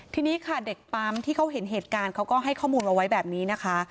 ทีนี้ค่ะเด็กปั๊มที่เขาเห็นเหตุการณ์เขาก็ให้ข้อมูลเอาไว้แบบนี้นะคะ